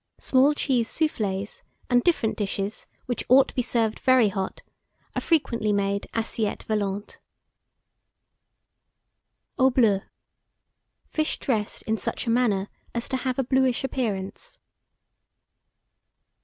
Small cheese soufflés and different dishes, which ought to be served very hot, are frequently made assielles volantes. AU BLEU. Fish dressed in such a manner as to have a bluish appearance.